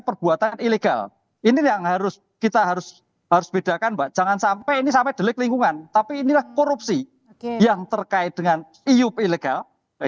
perbuatan ilegal ini yang harus kita harus harus bedakan mbak jangan sampai ini sampai delik lingkungan tapi inilah korupsi yang terkait dengan iup ilegal